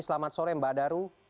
selamat sore mbak daru